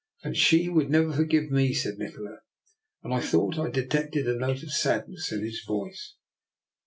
"And she would never forgive me," said Nikola; and I thought I detected a note of sadness in his voice.